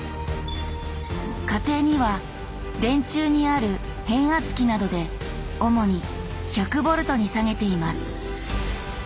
家庭には電柱にある変圧器などで主に１００ボルトに下げています。